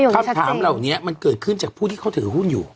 คำถามเหล่านี้มันเกิดขึ้นจากผู้ที่เขาถือหุ้นอยู่